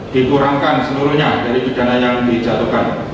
dikurangkan seluruhnya dari pidana yang dijatuhkan